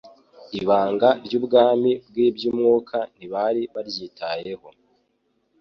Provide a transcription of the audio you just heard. Ibanga ry'ubwami bw'iby'umwuka, ntibari baryitayeho.